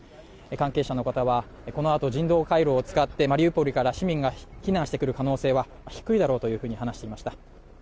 関係者の方は、このあと人道回廊を使ってマリウポリから市民が避難してくる可能性は低いだろうと話していました。